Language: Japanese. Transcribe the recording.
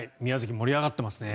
盛り上がってますね。